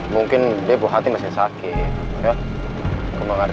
mungkin phd masih sakit